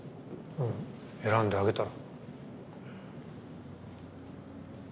選んであげたら？